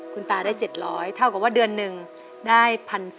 คุณตาได้๗๐๐เท่ากับว่าเดือนหนึ่งได้๑๔๐๐